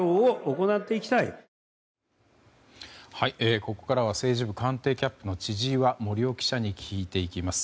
ここからは政治部官邸キャップの千々岩森生記者に聞いていきます。